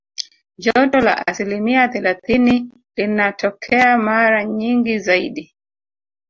Joto la asilimia thelathini linatokea mara nyingi zaidi